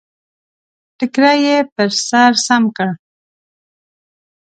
ټکری يې پر سر سم کړ.